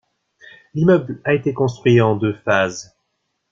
L'immeuble a été construit en deux phases.